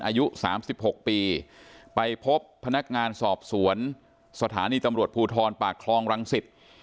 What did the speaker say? อายุ๓๖ปีไปพบพนักงานสอบสวนสถานีตำรวจภูทรปากคลองรังสิต